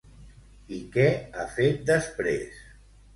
I què ha fet després?